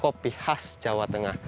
kopi khas jawa tengah